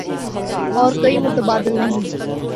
اور کوئی متبادل نہیں۔